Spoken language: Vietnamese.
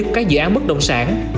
của các dự án bất động sản